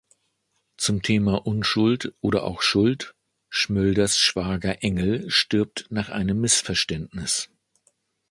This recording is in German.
Zum Thema Unschuld oder auch Schuld: Schmölders Schwager Engel stirbt nach einem Missverständnis.